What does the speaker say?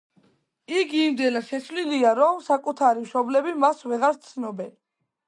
იგი იმდენად შეცვლილია, რომ საკუთარი მშობლები მას ვეღარ ცნობენ.